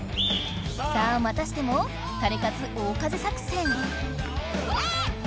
さあまたしても「タレかつ大風作戦」！